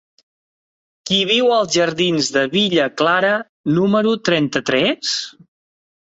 Qui viu als jardins de Villa Clara número trenta-tres?